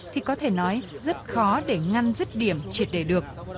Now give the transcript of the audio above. thì có thể nói rất khó để ngăn dứt điểm triệt đề được